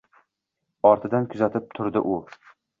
Ortidan kuzatib turdi u.